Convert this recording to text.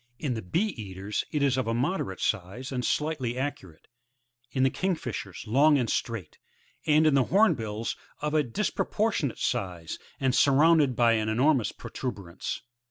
In the Bee eaters it is of moderate size, and sligiitly arcuate; in the Kingfishers, long and straight, and in the Hornbiils of a disproportionate size, and surmounted by an enormous protu berance.